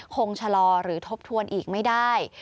ชะลอหรือทบทวนอีกไม่ได้